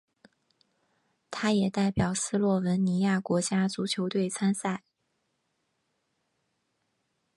他也代表斯洛文尼亚国家足球队参赛。